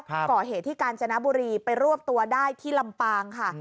ก่อเหตุที่กาญจนบุรีไปรวบตัวได้ที่ลำปางค่ะ